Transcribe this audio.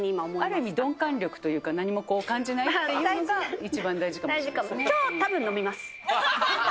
ある意味、鈍感力というか、何も感じないっていうのが一番大きょうはたぶん、飲みます。